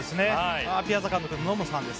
ピアザ監督と野茂さん。